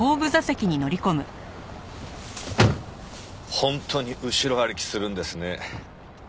本当に後ろ歩きするんですね。